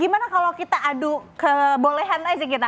gimana kalau kita adu kebolehan aja kita